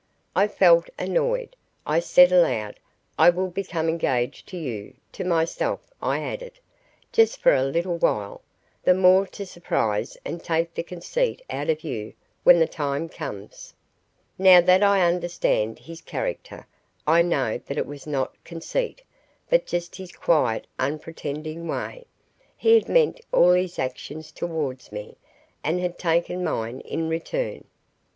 I felt annoyed. I said aloud, "I will become engaged to you;" to myself I added, "Just for a little while, the more to surprise and take the conceit out of you when the time comes." Now that I understand his character I know that it was not conceit, but just his quiet unpretending way. He had meant all his actions towards me, and had taken mine in return.